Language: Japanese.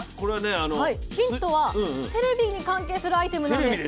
ヒントはテレビに関係するアイテムなんです！